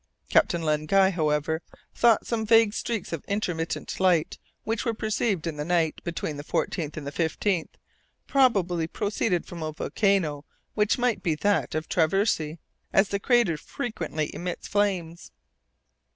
Captain Len Guy, however, thought some vague streaks of intermittent light which were perceived in the night, between the 14th and 15th, probably proceeded from a volcano which might be that of Traversey, as the crater frequently emits flames.